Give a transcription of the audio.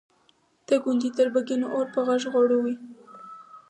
د ګوندي تربګنیو اور په غړغړو وي.